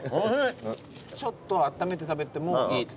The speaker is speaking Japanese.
ちょっとあっためて食べてもいいって。